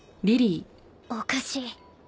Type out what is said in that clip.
おかしい。